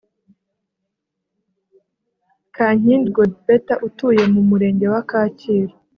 Kankindi Godbertha utuye mu Murenge wa Kacyiru